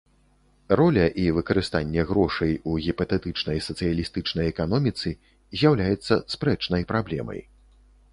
Роля і выкарыстанне грошай у гіпатэтычнай сацыялістычнай эканоміцы з'яўляецца спрэчнай праблемай.